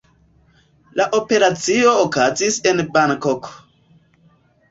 La operacio okazis en Bankoko.